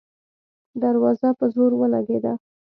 دروازه په زور ولګېده.